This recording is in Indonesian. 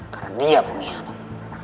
karena dia pengkhianat